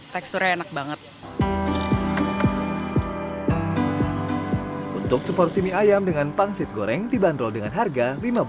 teksturnya enak banget untuk seporsi mie ayam dengan pangsit goreng dibanderol dengan harga